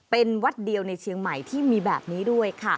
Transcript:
เป็นวัดเดียวในเชียงใหม่ที่มีแบบนี้ด้วยค่ะ